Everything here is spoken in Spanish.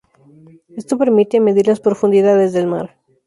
Esto permite medir las profundidades del mar.